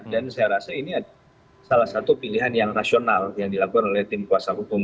dan saya rasa ini salah satu pilihan yang rasional yang dilakukan oleh tim kuasa hukum